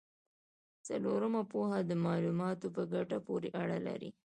څلورمه پوهه د معلوماتو په ګټه پورې اړه لري.